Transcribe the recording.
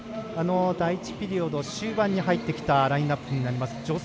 第１ピリオド終盤に入ってきたラインアップになります。